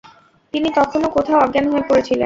তিনি তখনও কোথাও অজ্ঞান হয়ে পড়েছিলেন।